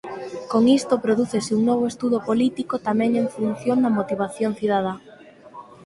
Con isto prodúcese un novo estudo político tamén en función da motivación cidadá.